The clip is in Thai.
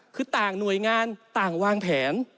คือต่างหน่วยงานต่างวางแผน